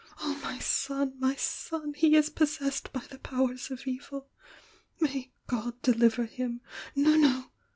Oh, my son, my son! He is possessed by the powers of evil! — may God deliver him! No, no!"